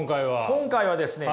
今回はですね